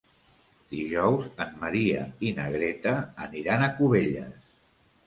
Dijous en Maria i na Greta aniran a Cubelles.